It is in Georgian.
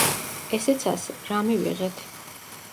ესეც ასე, რა მივიღეთ?